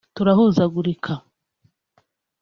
turahuzagurika